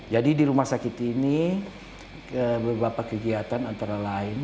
jadi di rumah sakit ini beberapa kegiatan antara lain